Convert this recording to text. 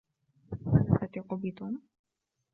ألا تثق بتوم؟